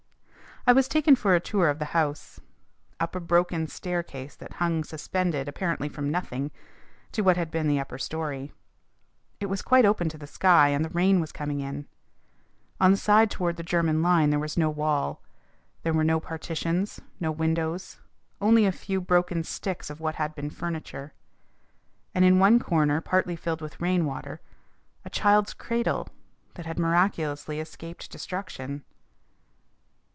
I was taken for a tour of the house up a broken staircase that hung suspended, apparently from nothing, to what had been the upper story. It was quite open to the sky and the rain was coming in. On the side toward the German line there was no wall. There were no partitions, no windows, only a few broken sticks of what had been furniture. And in one corner, partly filled with rain water, a child's cradle that had miraculously escaped destruction.